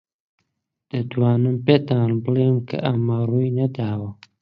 دەتوانم پێتان بڵێم کە ئەمە ڕووی نەداوە.